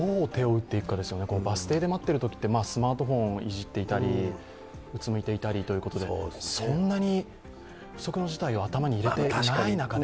バス停で待っているときってスマートフォンをいじっていたりうつむいていたりということでそんなに不測の事態を頭に入れていない中で。